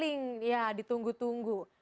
paling ya ditunggu tunggu